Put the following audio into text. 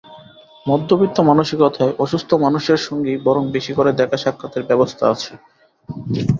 মধ্যবিত্ত মানসিকতায় অসুস্থ মানুষদের সঙ্গেই বরং বেশি করে দেখা-সাক্ষাতের ব্যবস্থা আছে।